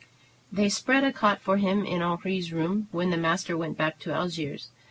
They spread a cot for him in Henri's room when the master went back to Algiers.